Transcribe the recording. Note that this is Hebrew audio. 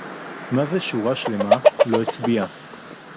מה זה שורה שלמה לא הצביעה